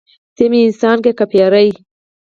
ته مې انسان یې که پیری.